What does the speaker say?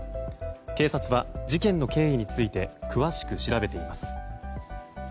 警察は、事件の経緯について詳しく調べています。